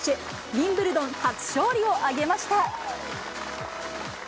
ウィンブルドン初勝利を挙げました。